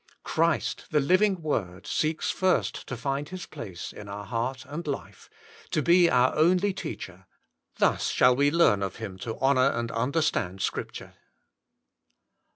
Christ the Living "Word, seeks first to find His place in our heart and life, to be our only Teacher: thus shall we learn of Him to honour and understand Scripture.